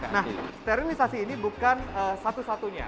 nah sterilisasi ini bukan satu satunya